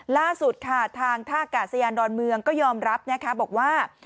ล่าสุดค่ะทางท่ากาศยานดอนเมืองก็ยอมรับนะคะบอกว่า